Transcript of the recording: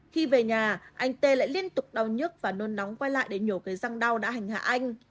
khi về nhà anh tê lại liên tục đau nhức và nôn nóng quay lại để nhổ cây răng đau đã hành hạ anh